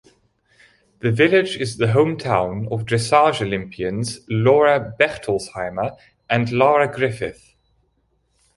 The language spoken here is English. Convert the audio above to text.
The village is the hometown of Dressage Olympians Laura Bechtolsheimer and Lara Griffith.